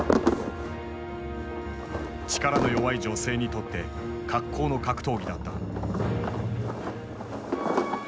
力の弱い女性にとって格好の格闘技だった。